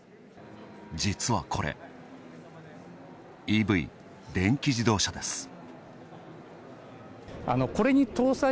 実はこれ、ＥＶ＝電気自動車です。